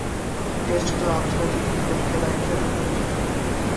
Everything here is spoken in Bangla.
টেস্ট খেলা আন্তর্জাতিক ক্রিকেট খেলা হিসেবে পরিচিত।